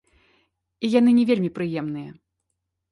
І яны не вельмі прыемныя.